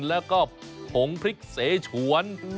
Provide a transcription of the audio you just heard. แล้วก็ผงพริกเสฉวน